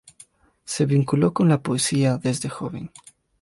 Se vinculó con la poesía desde joven.